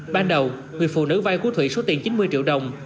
ban đầu người phụ nữ vay của thụy số tiền chín mươi triệu đồng